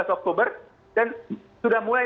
oktober dan sudah mulai